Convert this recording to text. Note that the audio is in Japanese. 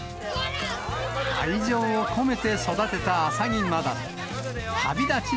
愛情を込めて育てたアサギマ